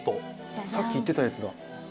さっき言ってたやつだ。